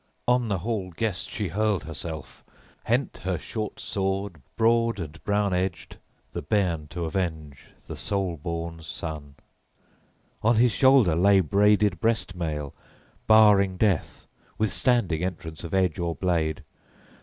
On the hall guest she hurled herself, hent her short sword, broad and brown edged, {22b} the bairn to avenge, the sole born son. On his shoulder lay braided breast mail, barring death, withstanding entrance of edge or blade.